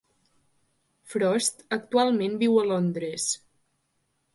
Frost actualment viu a Londres.